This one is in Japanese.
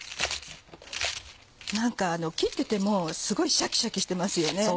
何か切っててもすごいシャキシャキしてますよね。